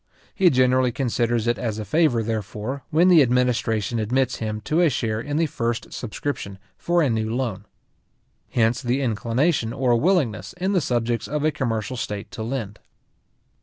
He generally considers it as a favour, therefore, when the administration admits him to a share in the first subscription for a new loan. Hence the inclination or willingness in the subjects of a commercial state to lend.